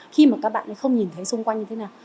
khi mà các bạn ấy không nhìn thấy xung quanh như thế nào